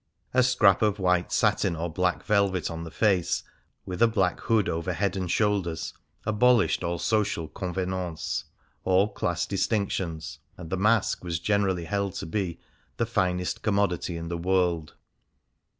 A scrap of white satin or black velvet on the face, with a black hood over head and shoulders, abolished all social convenances^ all class distinctions, and the mask was generally held to be " the finest commodity in the world."